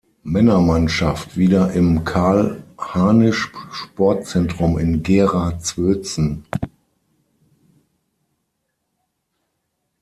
Männermannschaft wieder im Karl-Harnisch-Sportzentrum in Gera-Zwötzen.